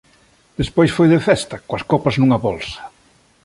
Despois foi de festa coas copas nunha bolsa.